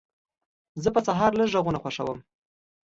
زه په سهار لږ غږونه خوښوم.